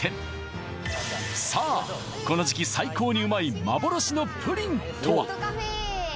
この時期最高にうまい幻のプリンとは？